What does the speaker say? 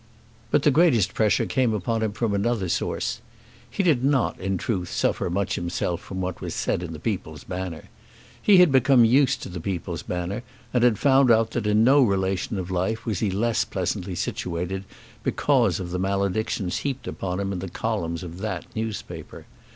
But the greatest pressure came upon him from another source. He did not in truth suffer much himself from what was said in the "People's Banner." He had become used to the "People's Banner" and had found out that in no relation of life was he less pleasantly situated because of the maledictions heaped upon him in the columns of that newspaper.